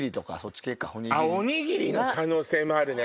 おにぎりの可能性もあるね！